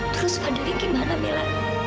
terus fadil gimana mila